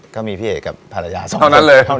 ก็มีพี่เอกกับภารกิจพระราชาวนั้นเลย